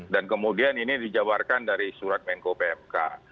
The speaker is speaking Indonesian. dan kemudian ini dijabarkan dari surat menko pmk